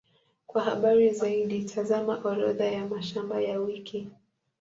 Kwa habari zaidi, tazama Orodha ya mashamba ya wiki.